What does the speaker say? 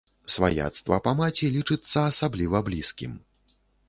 Сваяцтва па маці лічыцца асабліва блізкім.